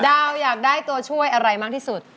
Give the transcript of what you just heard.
อยากได้ตัวช่วยอะไรมากที่สุด